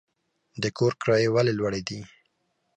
د کور کرایې ولې لوړې دي؟